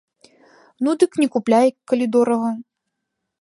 Ну, дык не купляй, калі дорага.